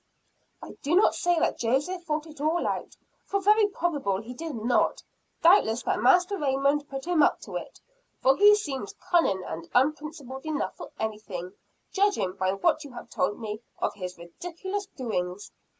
"I do not say that Joseph thought it all out, for very probably he did not; doubtless that Master Raymond put him up to it for he seems cunning and unprincipled enough for anything, judging, by what you have told me of his ridiculous doings."